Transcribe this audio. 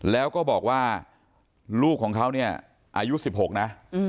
แล้วก็บอกว่าลูกของเขาเนี่ยอายุ๑๖นะ